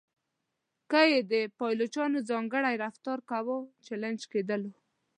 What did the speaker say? که یې د پایلوچانو ځانګړی رفتار کاوه چلنج کېدلو.